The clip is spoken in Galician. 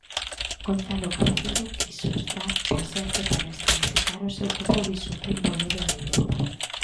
Gonzalo Caballero quixo estar presente para escenificar o seu compromiso cun modelo de Europa.